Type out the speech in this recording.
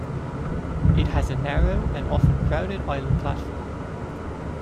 It has a narrow and often crowded island platform.